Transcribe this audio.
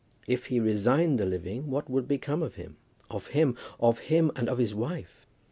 If he resigned the living, what would become of him, of him, of him and of his wife?